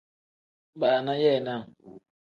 Baana yeenaa.